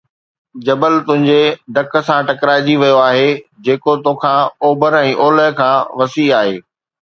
جبل تنهنجي ڌڪ سان ٽڪرائجي ويو آهي، جيڪو توکان اوڀر ۽ اولهه کان وسيع آهي